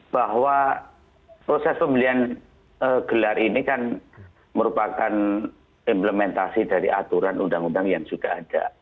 bahwa proses pembelian gelar ini kan merupakan implementasi dari aturan undang undang yang sudah ada